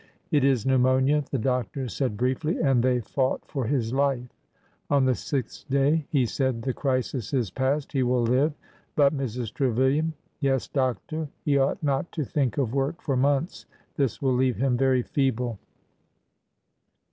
It is pneumonia/' the doctor said briefly, and they fought for his life. On the sixth day he said, The crisis is past. He will live. But, Mrs. Trevilian— " Yes, Doctor." He ought not to think of work for months. This will leave him very feeble."